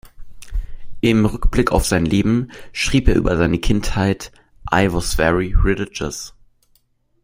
Im Rückblick auf sein Leben schrieb er über seine Kindheit: "I was very religious.